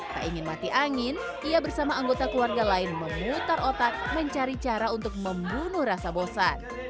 tak ingin mati angin ia bersama anggota keluarga lain memutar otak mencari cara untuk membunuh rasa bosan